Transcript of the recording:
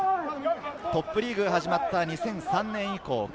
トップリーグが始まった２００３年以降。